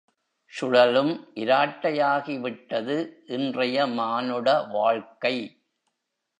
சுழலும் இராட்டையாகிவிட்டது இன்றைய மானுட வாழ்க்கை.